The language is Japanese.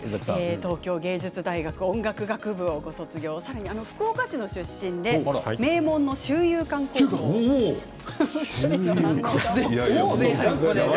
東京藝術大学音楽学部をご卒業されて福岡市の出身で名門の修猷館高校です。